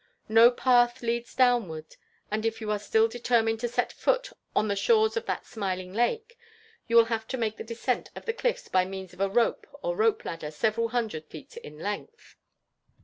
No path leads downward; and if you are still determined to set foot on the shores of that smiling lake, you will have to make the descent of the cliffs by means of a rope or rope ladder several hundred feet in length.